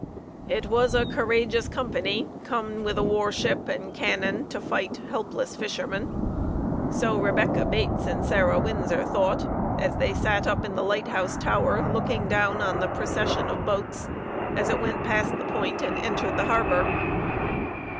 It was a courageous company come with a warship and cannon to fight helpless fishermen. So Rebecca Bates and Sarah Winsor thought, as they sat up in the light house tower looking down on the procession of boats as it went past the point and entered the harbor.